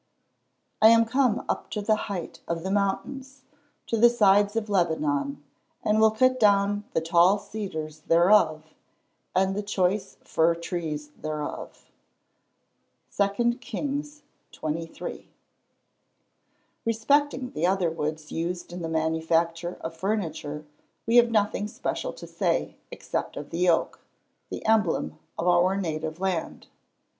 [Verse: "I am come up to the height of the mountains, to the sides of Lebanon, and will cut down the tall cedars thereof, and the choice fir trees thereof." II. KINGS XXIII.] Respecting the other woods used in the manufacture of furniture, we have nothing special to say, except of the oak the emblem of our native land.